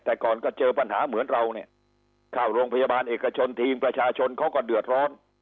แต่ก่อนก็เจอปัญหาเหมือนเราเนี่ยเข้าโรงพยาบาลเอกชนทีมประชาชนเขาก็เดือดร้อน